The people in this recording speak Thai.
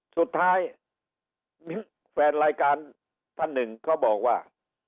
สุดท้ายมีแฟนรายการท่านหนึ่งเขาบอกว่า